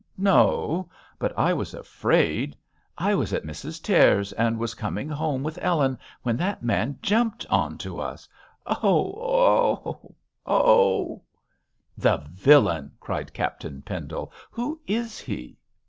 no! but I was afraid. I was at Mrs Tears, and was coming home with Ellen, when that man jumped on to us. Oh! oh! oh!' 'The villain!' cried Captain Pendle; 'who is he?'